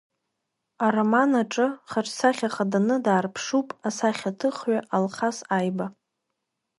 Ароман аҿы хаҿсахьа хаданы даарԥшуп асахьаҭыхҩы Алхас Аиба.